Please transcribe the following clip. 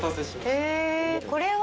えこれは。